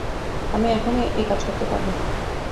আমি এখনও এই কাজ করতে পারবো।